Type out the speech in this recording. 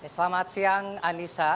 selamat siang anissa